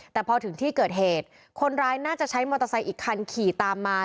แต่พอถึงที่เกิดเหตุคนร้ายน่าจะใช้มอเตอร์ไซค์อีกคันขี่ตามมา